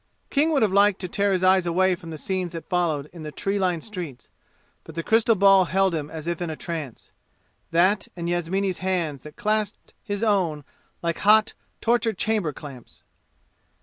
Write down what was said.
King would have liked to tear his eyes away from the scenes that followed in the tree lined streets, but the crystal ball held him as if in a trance that and Yasmini's hands that clasped his own like hot torture chamber clamps.